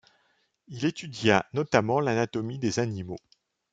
Il étudia notamment l'anatomie des animaux.